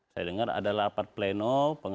saya dengar adalah rapat pleno